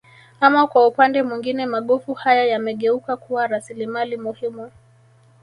Ama kwa upande mwingine magofu haya yamegeuka kuwa rasilimali muhimu